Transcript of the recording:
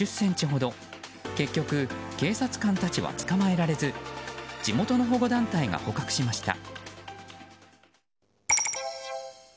結局、警察官たちは捕まえられず地元の保護団体が捕獲しました。